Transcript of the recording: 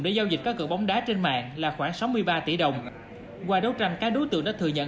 để giao dịch các cửa bóng đá trên mạng là khoảng sáu mươi ba tỷ đồng qua đấu tranh các đối tượng đã thừa nhận